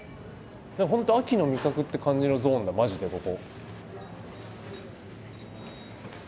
本当秋の味覚って感じのゾーンだマジでここ。